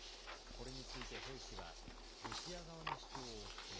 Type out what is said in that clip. これについて兵士は、ロシア側の主張を否定。